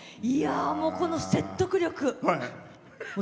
この説得力！